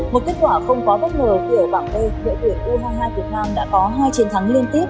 một kết quả không có bất ngờ khi ở vàng lê đội tuyển u hai mươi hai việt nam đã có hai chiến thắng liên tiếp